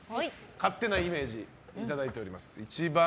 勝手なイメージいただいております。